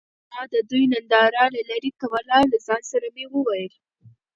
ما د دوي ننداره له لرې کوه له ځان سره مې وويل.